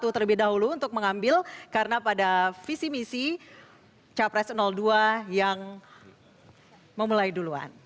terlebih dahulu untuk mengambil karena pada visi misi capres dua yang memulai duluan